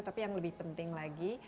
tapi yang lebih penting lagi